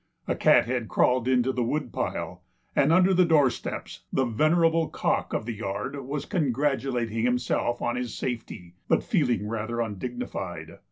A cat had crawled into the wood pile and under the doorsteps the venerable cock of the yard was congratulating himself on his safety, but feeling rather undignified.